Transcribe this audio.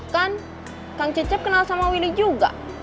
kan kang cecep kenal sama willy juga